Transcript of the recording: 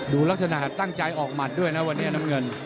ลักษณะตั้งใจออกหมัดด้วยนะวันนี้น้ำเงิน